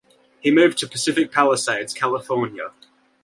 He moved to Pacific Palisades, California.